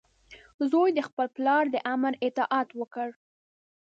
زوی د خپل پلار د امر اطاعت وکړ.